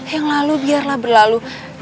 yang lalu biarlah berlalu